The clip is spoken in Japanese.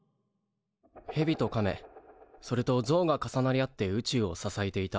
ヘビとカメそれとゾウが重なり合って宇宙を支えていた。